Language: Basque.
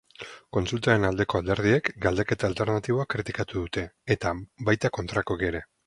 Kontsultaren aldeko alderdiek galdeketa alternatiboa kritikatu dute, eta baita kontrakoek ere.